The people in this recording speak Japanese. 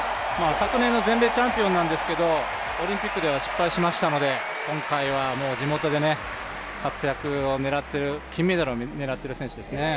昨年の全米チャンピオンなんですけどオリンピックでは失敗しましたので今回は地元で活躍を狙っている、金メダルを狙っている選手ですね。